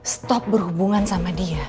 stop berhubungan sama dia